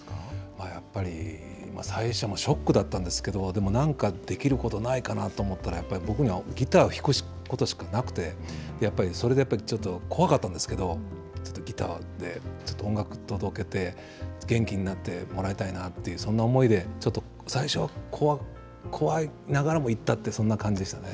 やっぱり最初、もうショックだったんですけれども、でもなんかできることないかなと思ったら、やっぱり僕にはギターを弾くことしかなくて、やっぱりそれでやっぱり、ちょっと怖かったんですけれども、ちょっとギターで、ちょっと音楽届けて、元気になってもらいたいなって、そんな思いでちょっと最初、怖いながらも行ったって、そんな感じでしたね。